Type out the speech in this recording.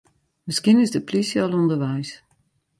Miskien is de plysje al ûnderweis.